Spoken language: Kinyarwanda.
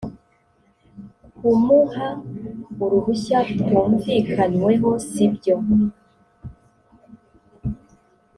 kumuha uruhushya rutumvikanyweho si byo